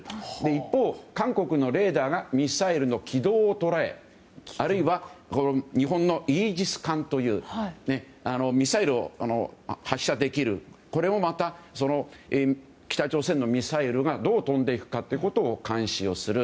一方、韓国のレーダーがミサイルの軌道を捉えあるいは日本のイージス艦というミサイルを発射できるこれをまた北朝鮮のミサイルがどう飛んでいくかということを監視をする。